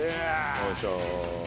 よいしょ。